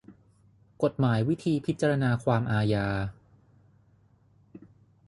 กฎหมายวิธีพิจารณาความอาญา